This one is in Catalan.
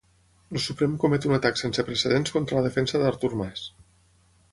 El Suprem comet un atac sense precedents contra la defensa d'Artur Mas.